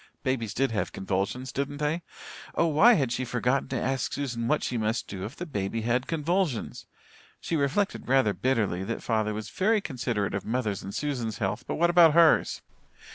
Babies did have convulsions, didn't they? Oh, why had she forgotten to ask Susan what she must do if the baby had convulsions? She reflected rather bitterly that father was very considerate of mother's and Susan's health, but what about hers?